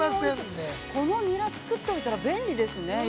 ◆このニラ作っておいたら便利ですね。